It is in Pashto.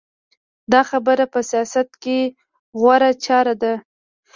دا خبره په سیاست کې غوره چاره ده.